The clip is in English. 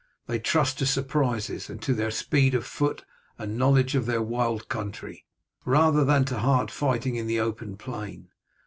They trust to surprises, and to their speed of foot and knowledge of their wild country, rather than to hard fighting in the open plain.